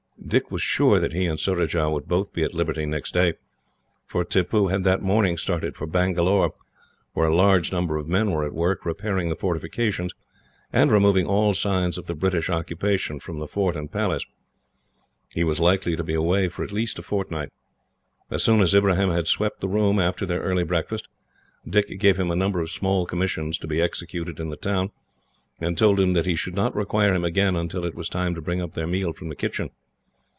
Dick was sure that he and Surajah would both be at liberty next day, for Tippoo had that morning started for Bangalore, where a large number of men were at work, repairing the fortifications and removing all signs of the British occupation from the fort and palace. He was likely to be away for at least a fortnight. As soon as Ibrahim had swept the room, after their early breakfast, Dick gave him a number of small commissions to be executed in the town, and told him that he should not require him again until it was time to bring up their meal from the kitchen.